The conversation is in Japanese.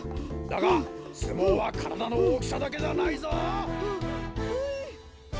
だがすもうはからだのおおきさだけじゃないぞ！ははい。